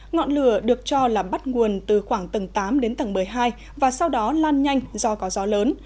ngọn lửa được cho là bắt nguồn từ khoảng tầng tám đến tầng một mươi hai và sau đó lan nhanh do có gió lớn